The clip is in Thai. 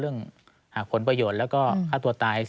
เรื่องผลประโยชน์แล้วก็ฆ่าตัวตาย